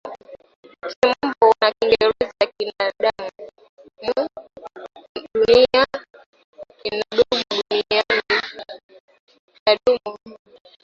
Kimombo na kingereza kina dumu mu dunia kwa watu